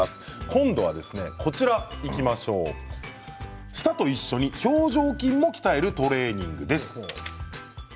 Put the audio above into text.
今度は舌と一緒に表情筋も鍛えるトレーニングです。